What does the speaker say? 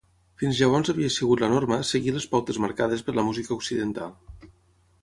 Fins llavors havia sigut la norma seguir les pautes marcades per la música occidental.